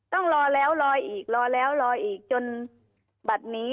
ต้องรอแล้วรออีกรอแล้วรออีกจนบัตรนี้